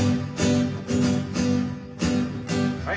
・はい。